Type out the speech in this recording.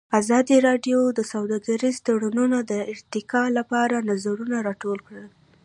ازادي راډیو د سوداګریز تړونونه د ارتقا لپاره نظرونه راټول کړي.